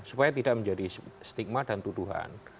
supaya tidak menjadi stigma dan tuduhan